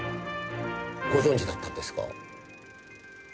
ご存じだったんですか。